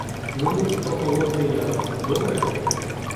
— Ну, то "Холодний Яр" — добре?